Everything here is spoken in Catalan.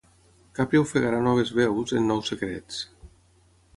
Capri ofegarà noves veus en nous secrets...